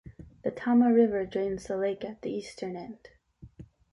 The Tama River drains the lake at the eastern end.